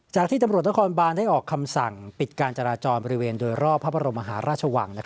ที่ตำรวจนครบานได้ออกคำสั่งปิดการจราจรบริเวณโดยรอบพระบรมมหาราชวัง